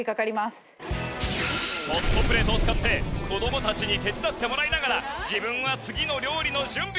ホットプレートを使って子どもたちに手伝ってもらいながら自分は次の料理の準備！